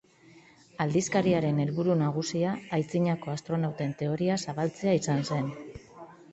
Aldizkariaren helburu nagusia aitzinako astronauten teoria zabaltzea izan zen.